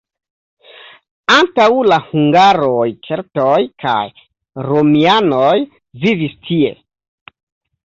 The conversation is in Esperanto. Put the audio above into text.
Antaŭ la hungaroj keltoj kaj romianoj vivis tie.